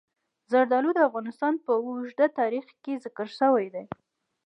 زردالو د افغانستان په اوږده تاریخ کې ذکر شوي دي.